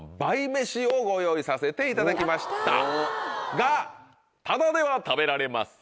がただでは食べられません。